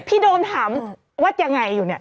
โดมถามวัดยังไงอยู่เนี่ย